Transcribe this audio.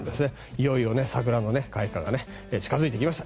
いよいよ桜の開花が近付いてきました。